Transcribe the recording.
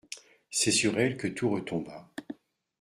C'est sur elle que tout retomba.